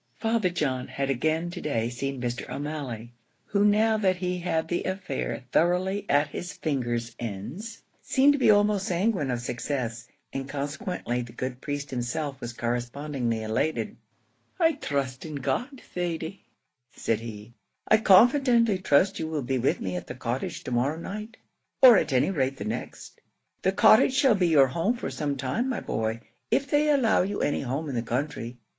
Father John had again to day seen Mr. O'Malley, who now that he had the affair thoroughly at his fingers' ends, seemed to be almost sanguine of success, and consequently the good priest himself was correspondingly elated. "I trust in God, Thady," said he, "I confidently trust you will be with me at the Cottage to morrow night, or at any rate the next. The Cottage shall be your home for some time, my boy, if they allow you any home in the country.